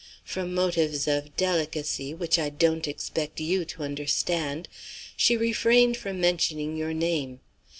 From motives of delicacy (which I don't expect you to understand) she refrained from mentioning your name.